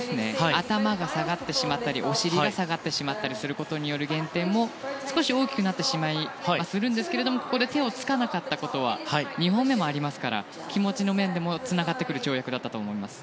頭が下がってしまったりお尻が下がってしまったことによる減点も少し大きくなってしまいはするんですがそこで手をつかなかったことは２本目もあるので気持ちの面でもつながってくる跳躍だと思います。